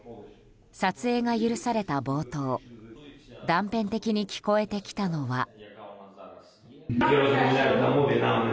撮影が許された冒頭断片的に聞こえてきたのは。